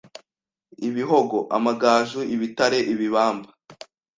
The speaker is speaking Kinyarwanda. ibihogo, amagaju, ibitare, ibibamba